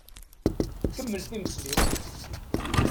Kemmel timesliwt!